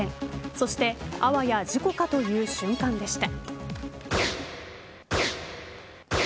そしてあわや事故かという瞬間でした。